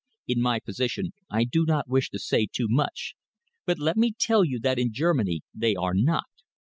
In my position I do not wish to say too much, but let me tell you that in Germany they are not.